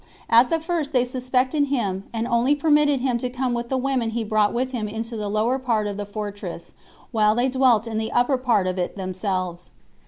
At the first they suspected him, and only permitted him to come with the women he brought with him into the lower part of the fortress, while they dwelt in the upper part of it themselves.